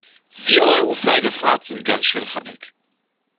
Vier Euro für eine Fahrt sind ganz schön happig.